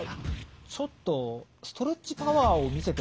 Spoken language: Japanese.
ちょっとストレッチパワーをみせてもらえますか？